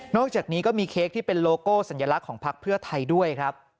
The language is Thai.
อกจากนี้ก็มีเค้กที่เป็นโลโก้สัญลักษณ์ของพักเพื่อไทยด้วยครับ